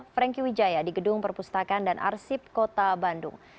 franky wijaya di gedung perpustakaan dan arsip kota bandung